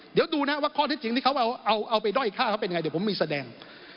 เดี๋ยวดูนะว่าข้อเท็จจริงที่เขาเอาไปด้อยฆ่าเขาเป็นยังไงเดี๋ยวผมมีแสดง